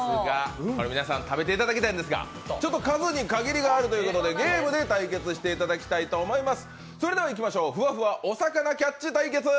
皆さんに食べていただきたいんですが、ちょっと数に限りがあるということで、ゲームで対決していただきたいと思います。